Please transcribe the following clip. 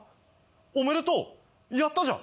おめでとうやったじゃん。